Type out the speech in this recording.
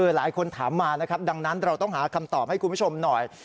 หลายคนถามมานะครับดังนั้นเราต้องหาคำตอบให้คุณผู้ชมหน่อย